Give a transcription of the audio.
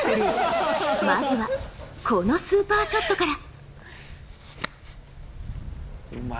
まずは、このスーパーショットから。